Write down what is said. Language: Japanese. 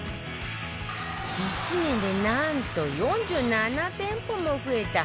１年でなんと４７店舗も増えた